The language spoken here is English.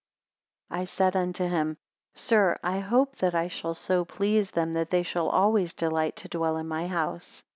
19 I said unto him; Sir, I hope that I shall so please them, that they shall always delight to dwell in my house.